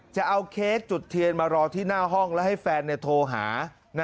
จะเอาเค้กจุดเทียนมารอที่หน้าห้องแล้วให้แฟนโทรหา